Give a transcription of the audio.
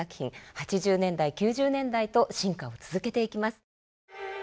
８０年代９０年代と進化を続けていきます。